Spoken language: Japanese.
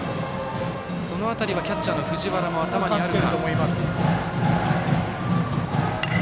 その辺りはキャッチャーの藤原も頭にあるか。